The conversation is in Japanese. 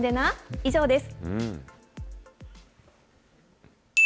以上です。